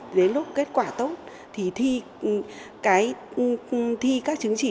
đến lúc kết quả tốt thì thi các chứng chỉ